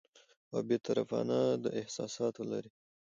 او بې طرفانه، د احساساتو لرې